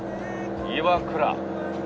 岩倉。